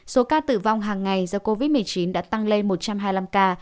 số ca tử vong hàng ngày do covid một mươi chín đã tăng lên một trăm hai mươi năm ca